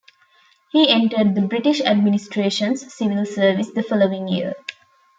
He entered the British administration's civil service the following year.